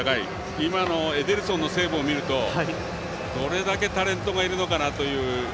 今のエデルソンのセーブを見るとどれだけタレントがいるのかなという。